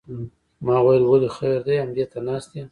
ما ویل ولې خیر دی همدې ته ناست یې.